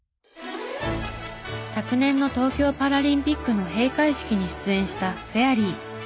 昨年の東京パラリンピックの閉会式に出演したＦａｉＲｙ。